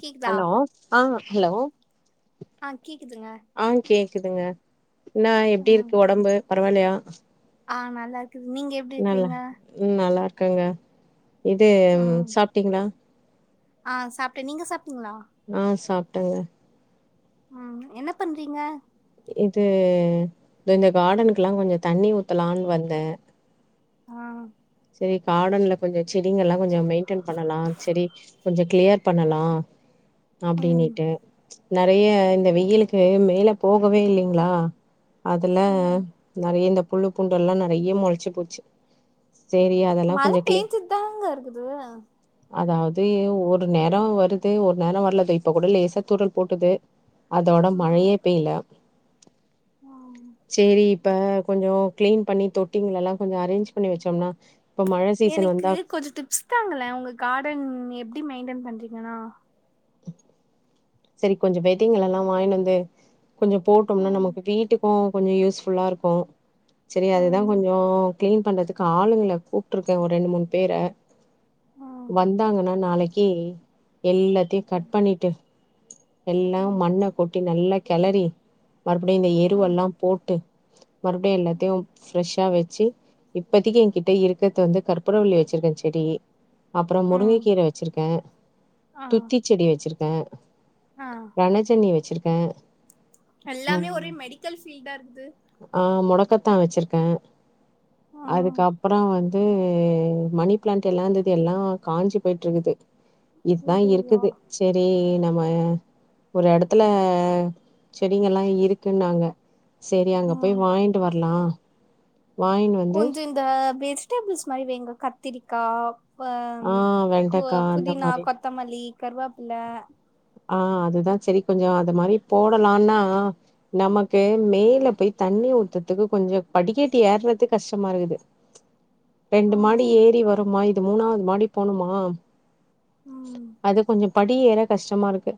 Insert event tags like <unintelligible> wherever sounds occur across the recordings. கேக்குதா ஹலோ ஆ ஹலோ ஆ கேக்குதுங்க ஆ கேக்குதுங்க என்னா எப்டி ம் இருக்கு உடம்பு பரவால்லையா ஆ நல்லா இருக்குது நீங்க எப் நல்ல ம் நல்லா இருக்கங்க இது ம் சாப்ட்டீங்களா ஆ சாப்ட்ட நீங்க சாப்ட்டீங்களா ஆ சாப்ட்டங்க உம் என்ன பண்றீங்க இது இந்த கார்டனுக்கெல்லா கொஞ்சோ தண்ணி ஊத்தலான்னு வந்த ஆ செரி கார்டன்ல கொஞ்சோ செடிங்க எல்லா கொஞ்சம் மெயின்டென் பண்ணலா செடி கொஞ்சம் கிளியர் பண்ணலா ம் அப்படின்னுட்டு நிறைய இந்த வெயிலுக்கு மேல போகவே இல்லீங்களா அதுல ம் நெறைய இந்த புல்லு புண்டு எல்லா நிறைய முளச்சி போச்சு செரி மழ பேஞ்சிட்டு தானங்க இருக்குது அதாவது ஒரு நேரம் வருது ஒரு நேரம் வரல த இப்ப கூட கொஞ்சம் லேசா தூரல் போட்டுது அதோட ம் மழையே பெய்யல ம் சேரி இப்ப கொஞ்சம் கிளீன் பண்ணி தொட்டிங்கலல்லா கொஞ்சம் அரேஞ்ச் பண்ணி வச்சோம்னா இப்ப மழ சீசன் எனக்கு வந்தா கொஞ்சோ டிப்ஸ் தாங்களே உங்க கார்டன் எப்புடி மெயின்டென் பண்றீங்கன்னா சேரி கொஞ்சோ விதைங்கள்லல்லா வாங்கி வந்து கொஞ்சோ போட்டோம்னா ம் நமக்கு வீட்டுக்கு கொஞ்சோ யூஸ்ஃபுல்லா இருக்கு சேரி அதுதா ம் கொஞ்சோ க்ளீன் பண்றதுக்கு ஆளுங்ள கூப்ட்ருக்கே ஒர் ரெண்டு மூணு பேர ம் வந்தாங்கனா நாளைக்கி எல்லாத்தியு கட் பண்ணிட்டு எல்லா ம் மண்ண கொட்டி நல்லா கெளறி மறுபடியு இந்த ம் எருவல்லா போட்டு மறுப்டியு எல்லாத்தியு ஃப்ரெஷ்ஷா வெச்சு இப்பதிக்கி என்கிட்ட இருக்குற்து வந்து கற்பூர வள்ளி வெச்சிருக்கே செடி அப்றோ ம் முருங்கக்கீர வெச்சுருக்கே ஆ துத்திச் செடி வெச்சுருக்கே ஆ ரனச்ஜன்னி வெச்சுருக்கே எல்லாமே ஒரே மெடிக்கல் ஃபீல்டா இருக்குது ஆ மொடக்கத்தா வெச்சுருக்கே ம் அதுக்கப்பறோ வந் ம் மணி ப்ளான்ண்ட் எல்லா இந்துது எல்லா காஞ்சு போய்ட்ருக்குது இதுதா அய்யய்யோ இருக்குது சேரி நம்ம ம் ஒரு எடத்துல செடிங்க எல்லா இருக்குன்னாங்க சேரி அங்க போய் ம் வாய்ன்ட்டு வர்லா வாய்ன் வந்து கொஞ்சோ இந்த வெஜிடேபிள்ஸ் மாரி வெய்ங்க கத்திரிக்கா க ஆ ம் கொ வெண்டைக்கா அந்த புதினா மாரி. கொத்தமல்லி கருவாப்பிள்ள ஆ அதுதா சேரி கொஞ்சோ அது மாரி போடலான்னா நமக்கு மேல போய் தண்ணி ஊத்துற்துக்கு கொஞ்சோ படிக்கட்டு ஏறதுக் கஷ்டமா இருக்குது ரெண்டு ஆ மாடி ஏறி வருமா இது மூணாவ்து மாடி போணுமா ம் அது கொஞ்சோ படி ஏற கஷ் டமா இருக்கு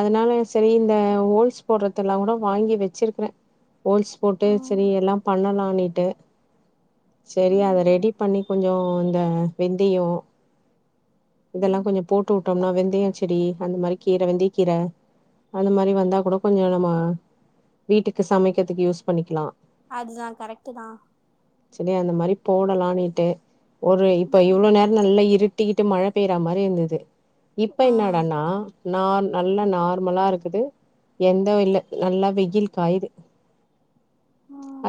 அதனால செரி இந்த ஓல்ஸ் போடுறதுல்லா கூட வாங்கி வெச்சுருக்குறே ஓல்ஸ் போட்டு ம் செரி எல்லா பண்ணலானீட்டு சேரி அத ம் ரெடி பண்ணி கொஞ்சோ இந்த வெந்தயோ இதெல்லா ம் கொஞ்சோ போட்டு வுட்டோம்னா வெந்தய செடி அந்த மாரி கீர வெந்தயக்கீர அந்த மாரி வந்தா கூடோ கொஞ்சோ நம்ம வீட்டுக்கு சமைக்கிறதுக்கு யூஸ் பண்ணிக்கிலா அதுதா கரெக்ட்டு தா சேரி அந்த மாரி போடலானீட்டு ஒரு இப்ப இவ்ளோ நேரோ நல்லா இரு ட்டிக்கிட்டு மழ பெய்ற மாரி இந்துது இப்ப ம் என்னடானா நா நல்லா நார்மலா இருக்குது எந்த இல்ல நல்லா வெயில் காயுது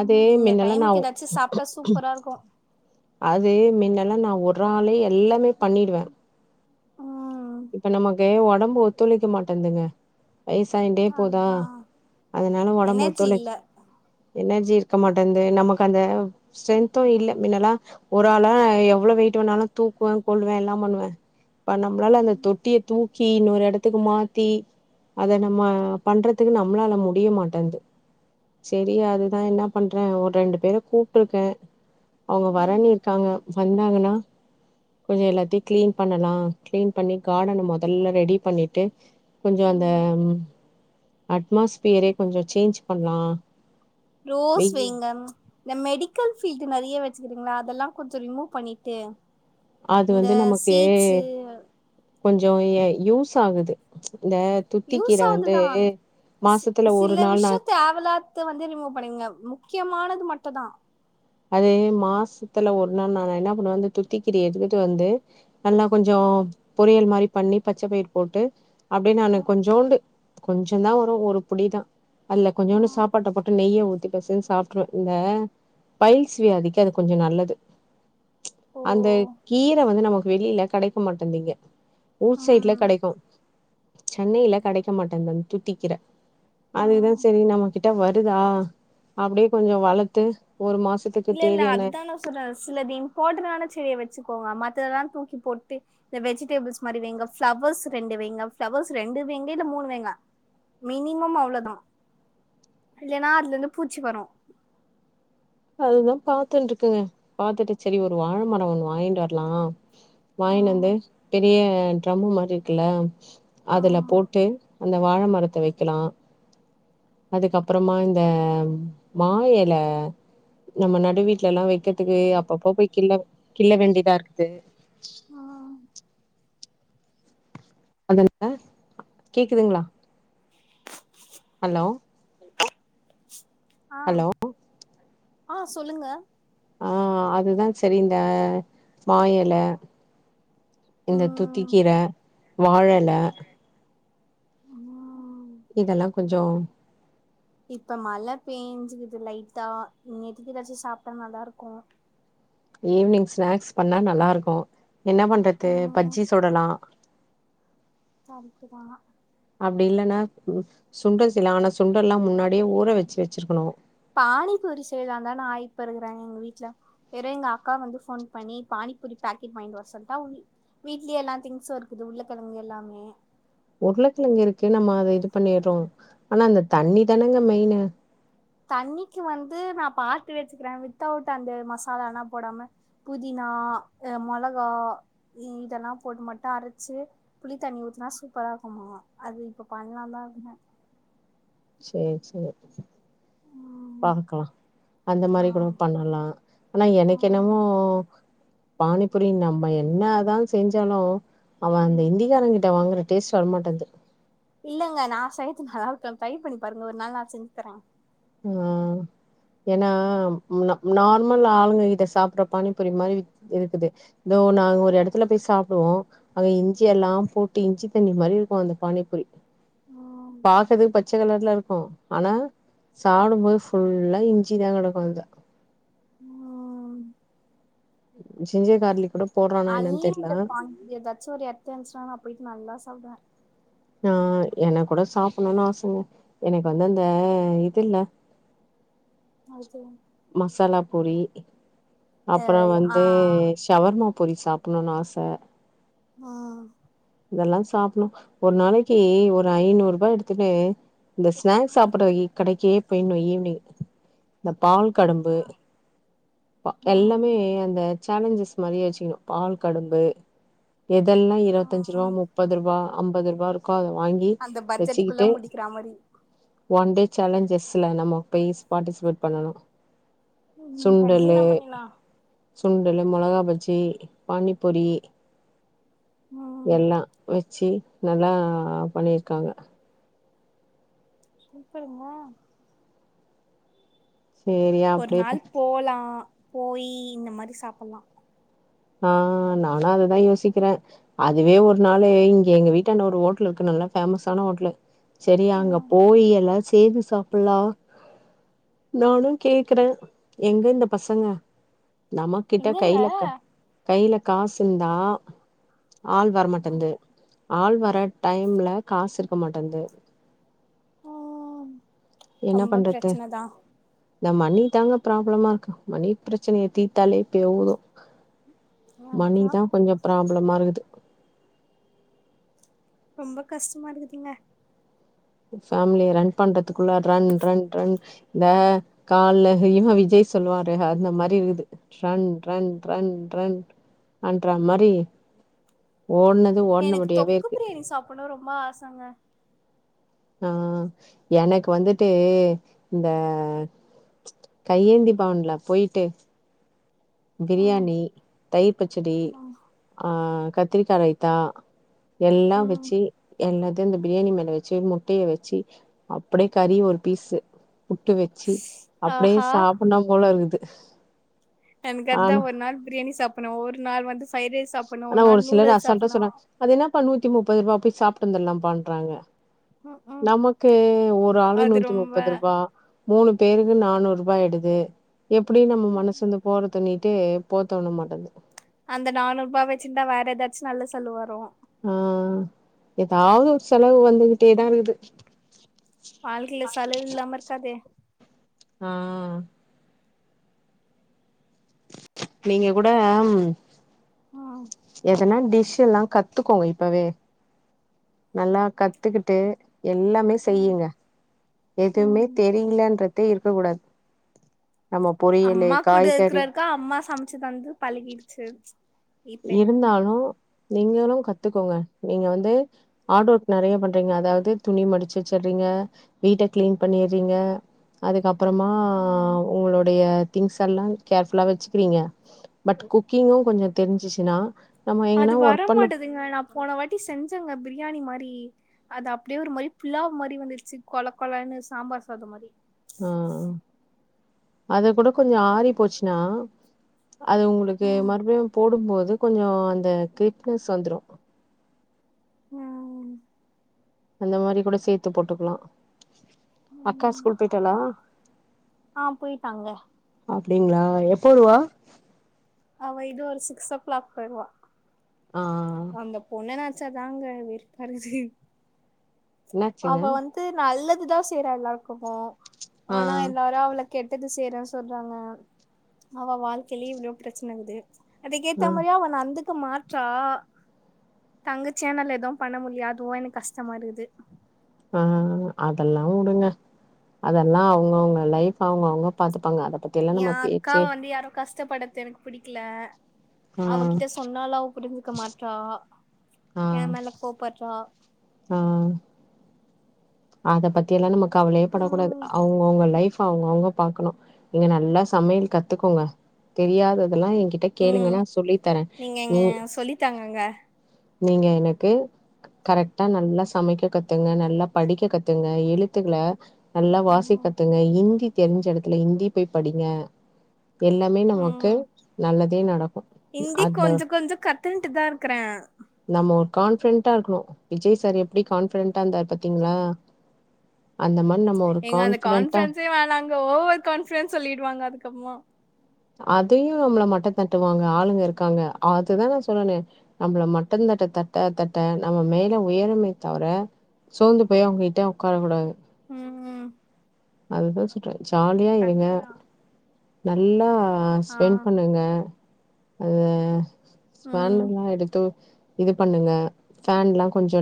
அது இந்த மின்னெல்லா நா டைமுக்கு எதாச்சு சாப்ட்டா சூப்பரா இருக்கு அது மின்னல்லா நா ஒரு ஆளோ எல்லாமே பண்ணிடுவே ம் இப்ப நமக்கு ஒடம்பு ஒத்துழைக்க மாட்டுன்துங்க வயசாயின்டே போதா அதா அதனால ஒடம்பு எனர்ஜி ஒத்துழைக்க இல்ல எனர்ஜி இருக்க மாட்டன்து நமக்கு அந்த ஸ்ட்ரென்த்து இல்ல மின்னல்லா ஒரு ஆளா எவ்ளோ வெயிட்டு வேணாலு தூக்குவே கொல்லுவே எல்லாம் பண்ணுவே இப்ப நம்பளால அந்த தொட்டிய துக் கி இன்னொரு எடத்துக்கு மாத்தி அத நம்ம பண்றதுக்கு நம்மளால முடிய மாட்டன்து செரி அதுதா என்ன பண்றே ஒர் ரெண்டு பேர கூப்ட்ருக்கே அவங்க வரனிருக்காங்க வந்தாங்கன்னா கொஞ்சோ எல்லாத்தையு கிளீன் பண்ணலா கிளீன் பண்ணிக் கார்டன மொதல்ல ரெடி பண்ணிட்டு கொஞ்சோ அந்தம் அட்மாஸ்ஃபியரே கொஞ்சோ சேஞ்ச் பண்லா ரோஸ் வெயி வையுங்க இந்த மெடிக்கல் ஃபீல்டு நெறிய வெச்சுக்கிறீங்கள அதெல்லா கொஞ்சோ ரிமூவ் பண்ணிட்டு அது இந்த வந்து நமக்கு சீட்ஸு கொஞ்சோ ஏ யூஸ் ஆகுது ம்ச் இந்த யூஸ் துத்திக்கீர வந்து ஆகுதுதா சிஸ் மாசத்துல ஒரு சில நாள் நா விஷயத்த ஆவ் எல்லதை வந்து ரிமூவ் பண்ணிருங்க முக்கியமானது மட்டு தா அதே மாசத்துல ஒரு நாள் நா என்ன பண்ணுவே வந்து துத்தி கீரைய எத்துக்கட்டு வந்து நல்லா கொஞ்சோ பொரியல் மாரி பண்ணி பச்ச பயிர் போட்டு அப்டியோ நானு கொஞ்சோண்டு கொஞ்சோ தா வரு ஒரு புடிதா அல்ல கொஞ்சோண்ணு சாப்பாட்ட போட்டு நெய்ய ஊத்தி பெசஞ்சி சாப்ட்ருவே இந்த பையில்ஸ் வியாதிக்கு அது கொஞ்சோ நல்லது ம்ச் ஓ அந்த கீர வந்து நமக் வெளியில கெடைக்க மாட்டேந்தீங்க ஊர் சைட்ல ம் கெடைக்கு சென்னையில கெடைக்க மாட்டேந்து அந்த துத்திக்கீர அதுதா ம் செரி நம்ம கிட்ட வருதா அப்படியே கொஞ்சோ வளத்து ஒரு மாசத் இல்ல இல்ல அதுதா நா சொல்ற சிலது இம்போர்ட்டனான செடிய வச்சுக்கோங்க மத்ததெல்லா தூக்கி போட்டு இந்த வெஜிடேபிள்ஸ் மாரி வெய்ங்க ஃப்ளவர்ஸ் ரெண்டு வெய்ங்க ப்ளவர்ஸ் ரெண்டு வெய்ங்க இல்ல மூணு வைங்க மினிமம் அவ்ளோதா இல்லைன்னா அதுல இருந்து பூச்சி வரு அதுதா பாத்துன்ருக்கங்க பாத்துட்டு செரி ஒரு வாழ மரோ ஒண்ணு வாங்கிட்டு வர்லா வாங்கின்னு வந்து ஆ பெரிய ட்ரம்மு மாரி இருக்குல்ல ஆ அதுல போட்டு அந்த வாழ மரத்த வைக்கலா அதுக்கப்புறமா இந்த மா எல நம்ம நடு வீட்ல எல்லா வைக்கிறதுக்கு அப்பப்போ போய் கிள்ள கிள்ள வேண்டியதா இருக்குது ஆ அது என்ன கேக்குதுங்ளா ஹலோ <unintelligible> ஆ ஹலோ ஆ சொல்லுங்க ஆ அதுதா செரிண்டா மா இல இந்த ம் துத்திக்கீர வாழேல ம் இதெல்லா கொஞ்சோ இப்ப மழ பேஞ்சுக்குது லைட்டா இங்க எதுது கெடச்சா சாப்பிட்ட நல்லாருக்கு ஈவினிங் ஸ்நாக்ஸ் பண்ண நல்லாருக்கு என்ன பண்றது ம் பஜ்ஜி சூடலா கரெக்ட்டு தா அப்டி இல்லன்னா ம் சுண்டல் செய்லா ஆனா சுண்டெல்லா முன்னாடியே ஊற வச்சு வச்சிருக்கணு தானிப்பூரி செய்லான் தா நா இப்ப இருக்கறே எங்க வீட்டுல இரேங் அக்கா வந்து ஃபோன் பண்ணி பானிபூரி பேக்கெட் வாங்கிட்டு வர சொல்ட்டா உன்னி வீட்லயே எல்லா திங்ஸ் இருக்குது உள்ள கிழங்கு எல்லாமே உருளக்கெழங்கு இருக்கு நம்ம அத இது பண்ணிறோ ஆனா அந்த தண்ணி தானங்க மெய்னு தண்ணிக்கு வந்து நா பாத்து வச்சுக்கிறே வித்தவுட் அந்த மசால எல்லா போடாம புதினா அ மொளகா இ இதெல்லா போட்டு மட்டு அரைச்சு புளி தண்ணி ஊத்தினா சூப்பரா இருக்குமா அது இப்ப பண்ணலா தா இருந்தே சேர் சேர் ம் பாக்கலா அந்த மாரி ஆ கூட பண்ணலா ஆனா எனக்கு ஆ என்னமோ பானிபுரி நம்ம என்னதான் செஞ்சாலு அவன் அந்த இந்திகாரன்ட்ட வாங்கற டேஸ்ட்டு வரமாட்டன்து இல்லங்க நா செய்த்து நல்லா இருக்கு ட்ரை பண்ணி பாருங்க ஒரு நாள் நா செஞ்சு தர அ ஏனா நா நார்மல் ஆளுங்க கிட்ட சாப்டற பானிப்பூரி மாரி இருக்குது இதோ நாங்க ஒரு எடத்துல போய் சாப்டுவோ அங்க இஞ்சி எல்லாம் போட்டு இஞ்சி தண்ணி மாரி இருக்கு அந்த பானிபுரி பாக்குறது பச்ச கலர்லா இருக்கு ஆனா சாப்புடும் போது ஃபுல்லா இஞ்சிதா கெடக்கு அதுல ம் ஜிஞ்சர் கார்லிக் கூடப் அன்லிமிடட் குவான்ட்டி எதாச்சு ஒரு எடத்துலன்சுன்னா நான் போயிட்டு நல்லா சாப்டுவேன் ஆ என்க்கூட சாப்டணுன் ஆசங்க எனக்கு வந்து அந்த இது இல்ல அ சேரிங் மசாலா பொரி அப்றோ அ ஆ வந்து சவர்மா பொரி சாப்ணுனு ஆச ஆ இதெல்லா சாப்புனு ஒரு நாளைக்கு ஒரு ஐநூறு ரூபா எடுத்துட்டு இந்த ஸ்நாக்ஸ் சாப்புடுற கடைக்கே போய்ணு ஈவ்னிங் இந்த பால் அதுதா கடம்பு ம் எல்லாமே அந்த சேலஞ்சஸ் மாரியே வெச்சுக்கணு பால் கடும்பு எதெல்லா இருவத்தஞ்சு ரூபா ம் முப்பது ரூபா அம்பது ரூபா க்கோ அத வாங்கி அந்த பட்ஜெட்குள்ள வெச்சுகிட்டு முடிக்கிற மாரி ஒன் டே சேலஞ்சர்ஸ்ல நம்ம போய் பார்ட்டிசிபேட் பண்ணணு ம் ம் சுண்டலு பண்ணிர்லாம் பண்ணிர்லாம் சுண்டலு, மொளகா பஜ்ஜி, பானி பூரி ஆ எல்லா வெச்சு நல்லா பண்ணிருக்காங்க சூப்பர்மா சேரியா ஒரு அப்டியே நாள் போலா போய் இந்த மாரி சாப்ல்லா ஆ நானு அதுதா யோசிக்கிற அதுவே ஒரு நாளு இங்க எங்க வீட்டான்ட ஒரு ஹோட்டல் இருக்கு நல்லா ஃபேமஸான ஹோட்டல் செரி ஆ அங்க போய் எல்லா சேந்து சா ல்லா நானு கேக்குற எங்க இந்த பசங்க நமக்கிட்ட எங்கங்க கைல கைல காசுந்தா ஆள் வரமாட்டின்து ஆள் வர டைம்ல காசு இருக்க மாட்டன்து ம் என்ன ரொம்ப பண்றது பிரச்சனதா இந்த மணிதாங்க ப்ராப்ளமா இருக்கு மணி பிரச்சனைய தீ்த்தாலே போது அதுதா மணிதா கொஞ்சோ ப்ராப்ளமா இருக்குது ரொம்ப கஷ்டமா இருக்குதுங்க ஒரு ஃபேமிலிய ரன் பண்றதுக்குள்ள ரன் ரன் ரன் இந்த கால்ல இவன் விஜய் சொல்லுவாரு அந்த மாரி இருக்குது ரண் ரண் ரண் ரண் அன்ற மாரி ஓடுனது ஓடுன படியாவே இருக்கு போனு ரொம்ப ஆசங்க ஆ எனக்கு வந்துட்டு இந்த கையேந்தி பவன்ல போயிட்டு ம் பிரியாணி, தயிர் பச்சடி ஆ கத்திரிக்கா ரைதா எல்லா ம் வெச்சு என்னது அப்டி இந்த பிரியாணி மேல வச்சு முட்டைய வச்சு அப்டியே கறி ஒரு பீஸ்சு புட்டு வச்சு அப்டியே ஆஹா சாப்னு போல இருக்குது எனக்கு அதா ஆனா ஒரு நாள் பிரியாணி சாப்னு ஒரு நாள் வந்து ஃப்ரைட் ரைஸ் சாப்னு ஒரு நாள் நூடுல்ஸ் சாப்னு அதென்னப்பா நூத்தி முப்பது ரூபா போய் சாப்ட்டு வந்தரலாப்பான்றாங்க ம் ம் நமக்கு ஒரு ஆளுகு அது நூத்தி ரொம்ப முப்பது ரூபா மூணு பேருக்கு நானூறு ரூபா ஆயிடுது எப்டி நம்ம மனஸ்ந்து போறதுண்ட்டு போத்தோனமாட்டுது அந்த நானூறு ரூபா வச்சுந்தா வேற ஏதாச்சு நல்ல செல்வு வரு ம் ஏதாவது ஒரு செலவு வந்துகிட்டேதா இருக்குது வாழ்க்கையில செலவு இல்லாம இருக்காதே ம் நீங்க கூட ம் எதனா டிஷ் எல்லா கத்துக்கோங்க இப்பவே நல்லா கத்துக்கிட்டு எல்லாமே செய்யுங்க எதுவுமே ம் தெரியலன்றதே இருக்கக்கூடாது நம்ம பொரியலு காய்கறி அக்கா அம்மா சமச்சு தந்து பழகிடுச்சு இப்ப என்ன இருந்தாலு நீங்களு கத்துக்கோங்க நீங்க வந்து ஹார்டு ஒர்க் நெறைய பண்றீங்க அதாவது துணி மடிச்சு வச்சறீங்க வீட்டக் கிளீன் பண்ணிறீங்க அதுக்கப்பறமா ம் உங்களுடைய திங்ஸ் எல்லா கேர்ஃபுல்லா வச்சுக்றீங்க பட் குக்கிங்கு கொஞ்ச தெரிஞ்சுச்சுனா அது வரமாட்டதுங்க நா போன வாட்டி செஞ்சேங்க பிரியாணி மாரி அது அப்டியே ஒரு மாரி புலாவ் மாரி வந்துருச்சு கொழக் கொழன்னு சாம்பார் சாதோ மாரி ஆ அதுக் கூட கொஞ்சோ ஆறி போச்ன்னா அது உங்களுக்கு ம் மறுபடியு போடும்போது கொஞ்சோ அந்த கிரிப்னஸ் வந்துரு ம் அந்த மாரிக் கூட சேத்து போட்டுக்லா அக்கா ஸ்கூல் போயிட்டாளா ஆ போயிட்டாங்க அப்டிங்ளா எப்போ வருவா அவ இன்னு ஒரு சிக்ஸோ க்ளாக் வருவா ஆ அந்த பொண்ண நெனச்சாதாங்க வெறுப்பாருக்குது என்னாச்சுங்க அவ வந் து நல்லது தா செய்ற எல்லாருக்குமே ஆ ஆனா எல்லாரு அவளக் கெட்டது செய்றான்னு சொல்றாங்க அவ வாழ்க்கையிலே இவ்ளோ பிரச்சனருக்குது ஆ அதக்கேத்த மாரியு அவ நடந்துக்க மாட்றா தங்கச்சேனல் எதும் பண்ண முல்லாயா அதுவு எனக்கு கஷ்டமா இருக்குது ம் அதெல்லா வுடுங்க அதெல்லா அவுங்கவுங்க லைஃப் அவுங்கவுங்க பாத்துப்பாங்க அத பத் எ அக்காவ வந்து யாரு கஷ்டப்படுத்றது எனக்கு பிடிக்கல ஆ அவக்கிட்ட சொன்னாலு அவப் புரிஞ்சிக்க மாட்றா எ மேல கோவப்பட்றா ம் அத பத்தி எல்லா நம்ம கவலேயே படக்கூடாது ம் அவுங்க அவுங்க லைஃப் அவுங்க அவுங்க பாக்கணு நீங்க நல்லா சமையல் கத்துக்கோங்க தெரியாததெல்லா என்கிட்டக் கேளுங்க ம் நா சொல்லி தரே நீங்க உ இங்க சொல்லித்தாங்கங்க நீங்க எனக்கு கரெக்டா நல்லா சமைக்க கத்துங்க நல்லாப் படிக்க கத்துங்க எழுத்துக்கள நல்லா வாசிக்கத்துங்க இந்தி தெரிஞ்ச எடத்துல இந்தி போய் படிங்க எல்லாமே நமக்கு ம் நல்லதே நடக்கு ஹிந்தி அந்த கொஞ்சோ கொஞ்சோ கத்துன்ட்டு தா இருக்கறே நம்ம ஒரு கான்ஃபிடென்ட்டா இருக்கணு விஜய் சார் எப்டி கான்ஃபிடென்ட்டா இருந்தார் பாத் திங்ளா அந்த மா ஏங்க அந்த கான்ஃபரன்ஸே வேணாங்க ஓவரு கான்ஃபரன்ஸ் சொல்லிடுவாங்க அதுக்கப்பமா அதயு நம்மள மட்டோ தட்டுவாங்க ஆளுங்க இருக்காங்க அதுதா நா சொன்னேனே நம்மள மட்டோ தட்ட தட்ட தட்ட நம்ம மேல உயருமே தவர சோந்து போய் அவுங்ககிட்ட ஒக்காரக்கூடாது ம் ம் அதுதா சொல்றே ஜாலியா இருங்க கரெக்ட் தா நல்லா ஆ ஸ்பென் பண்ணுங்க அத ம் ஸ்பேனர் லா எடுத்து இது பண்ணுங்க ஃபேன் லா கொஞ்சோ